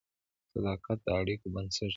صداقت د اړیکو بنسټ دی.